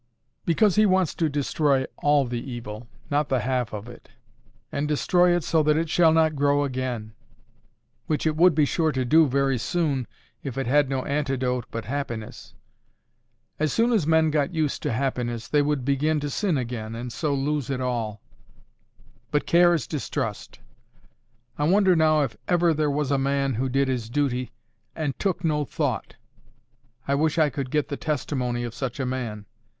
"Because He wants to destroy ALL the evil, not the half of it; and destroy it so that it shall not grow again; which it would be sure to do very soon if it had no antidote but happiness. As soon as men got used to happiness, they would begin to sin again, and so lose it all. But care is distrust. I wonder now if ever there was a man who did his duty, and TOOK NO THOUGHT. I wish I could get the testimony of such a man.